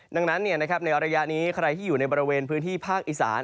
ดังนั้นในระยะนี้ใครที่อยู่ในบริเวณพื้นที่ภาคอีสาน